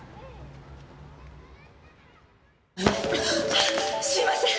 あすいません！